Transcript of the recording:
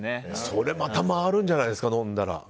それまた回るんじゃないですか飲んだら。